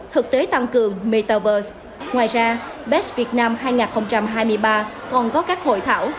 thực tế tăng cường metaverse ngoài ra best việt nam hai nghìn hai mươi ba còn có các hội thảo